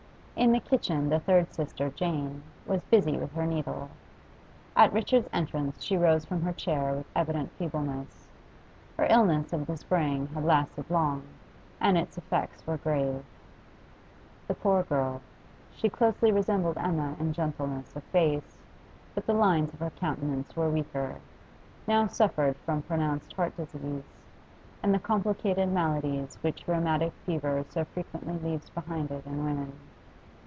In the kitchen the third sister, Jane, was busy with her needle; at Richard's entrance she rose from her chair with evident feebleness: her illness of the spring had lasted long, and its effects were grave. The poor girl she closely resembled Emma in gentleness of face, but the lines of her countenance were weaker now suffered from pronounced heart disease, and the complicated maladies which rheumatic fever so frequently leaves behind it in women.